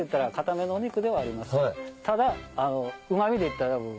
ただ。